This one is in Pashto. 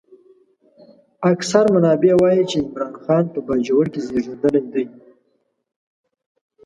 اکثر منابع وايي چې عمرا خان په باجوړ کې زېږېدلی دی.